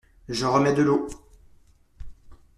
Je remets de l’eau.